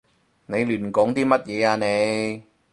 你亂講啲乜嘢啊你？